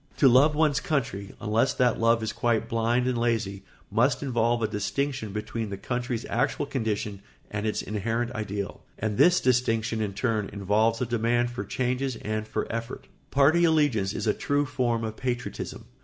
To love one's country, unless that love is quite blind and lazy, must involve a distinction between the country's actual condition and its inherent ideal; and this distinction in turn involves a demand for changes and for effort. Party allegiance is a true form of patriotism.